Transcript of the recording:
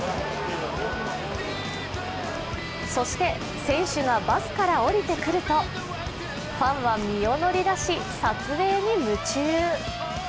そして選手がバスから降りてくるとファンは身を乗り出し撮影に夢中。